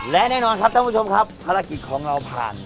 และแน่นอนครับท่านผู้ชมครับภารกิจของเราผ่าน